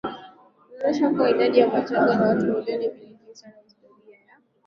zinaonyesha kuwa idadi ya Wachagga ni watu milioni mbiliWachagga wana historia ndefu ya